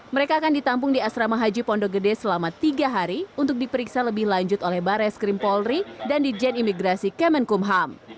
mereka akan ditampung di asrama haji pondogede selama tiga hari untuk diperiksa lebih lanjut oleh barres krimpolri dan dijen imigrasi kemenkumham